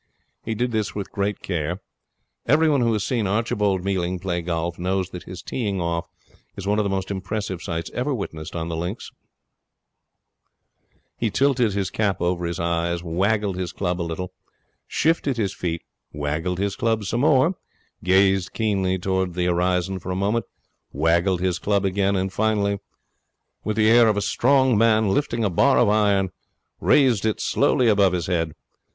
He did this with great care. Everyone who has seen Archibald Mealing play golf knows that his teeing off is one of the most impressive sights ever witnessed on the links. He tilted his cap over his eyes, waggled his club a little, shifted his feet, waggled his club some more, gazed keenly towards the horizon for a moment, waggled his club again, and finally, with the air of a Strong Man lifting a bar of iron, raised it slowly above his head.